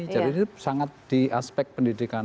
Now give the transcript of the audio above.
jadi itu sangat di aspek pendidikan